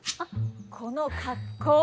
この格好。